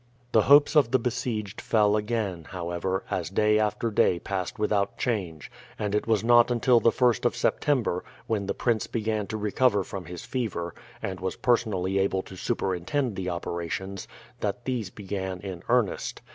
The hopes of the besieged fell again, however, as day after day passed without change; and it was not until the 1st of September, when the prince began to recover from his fever, and was personally able to superintend the operations, that these began in earnest.